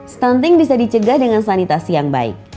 stunting bisa dicegah dengan sanitasi yang baik